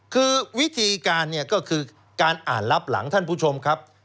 คือวิธีการเนี่ยก็คือการอ่านรับหลังท่านผู้ชมครับ